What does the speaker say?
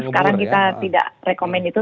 sekarang kita tidak rekomen itu